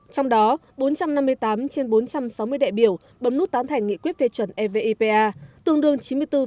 trong đó bốn trăm năm mươi tám trên bốn trăm sáu mươi đại biểu bấm nút tán thành nghị quyết phê chuẩn evipa tương đương chín mươi bốn bốn